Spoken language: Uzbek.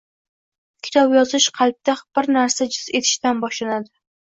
Kitob yozish qalbda bir narsa jiz etishidan boshlanadi.